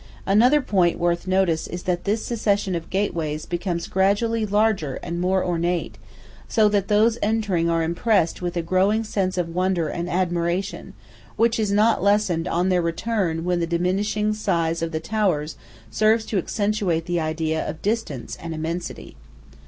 Another point worth notice is that this succession of gateways becomes gradually larger and more ornate, so that those entering are impressed with a growing sense of wonder and admiration, which is not lessened on their return when the diminishing size of the towers serves to accentuate the idea of distance and immensity.